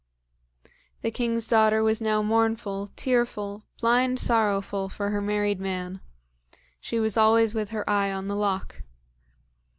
The king's daughter was now mournful, tearful, blind sorrowful for her married man; she was always with her eye on the loch.